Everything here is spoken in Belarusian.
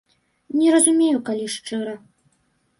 Не разумею, калі шчыра.